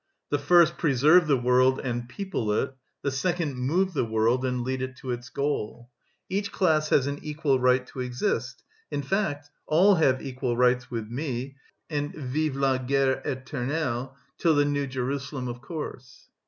The first preserve the world and people it, the second move the world and lead it to its goal. Each class has an equal right to exist. In fact, all have equal rights with me and vive la guerre éternelle till the New Jerusalem, of course!"